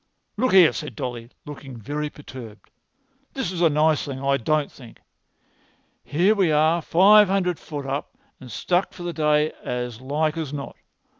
"Look here," said Dolly, looking very perturbed, "this is a nice thing, I don't think. Here we are five[Pg 246] hundred foot up, and stuck for the day as like as not.